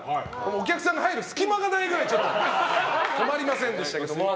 お客さんが入る隙間がないくらい止まりませんでしたけども。